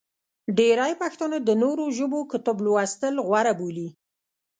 ډېری پښتانه د نورو ژبو کتب لوستل غوره بولي.